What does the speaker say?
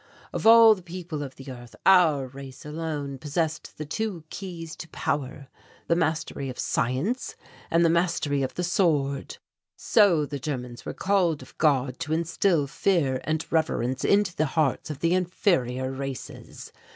"Of all the people of the earth our race alone possessed the two keys to power, the mastery of science and the mastery of the sword. So the Germans were called of God to instil fear and reverence into the hearts of the inferior races.